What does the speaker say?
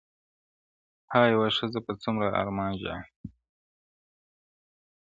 ها یوه ښځه په څومره ارمان ژاړي -